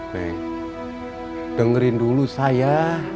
neng dengerin dulu saya